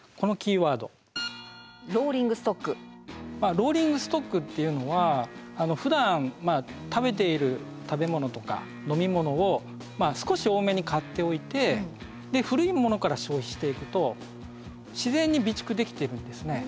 ローリングストックっていうのはふだん食べている食べ物とか飲み物を少し多めに買っておいて古いものから消費していくと自然に備蓄できてるんですね。